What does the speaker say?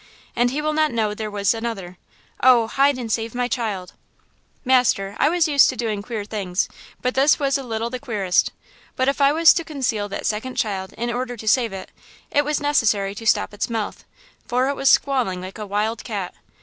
And he will not know there was another. Oh! hide and save my child!" "Master, I was used to queer doings, but this was a little the queerest. But if I was to conceal that second child in order to save it, it was necessary to stop its mouth, for it was squalling like a wild cat.